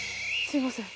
すいません。